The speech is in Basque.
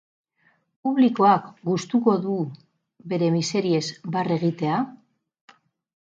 Publikoak gustuko du bere miseriez barre egitea?